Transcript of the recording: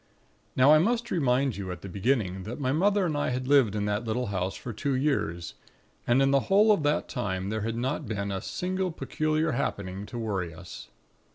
"Now I must remind you at the beginning that my mother and I had lived in that little house for two years; and in the whole of that time there had not been a single peculiar happening to worry us.